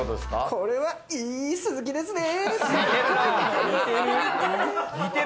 これは、いいスズキですね！